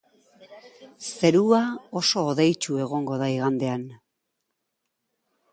Zerua oso hodeitsu egongo da igandean.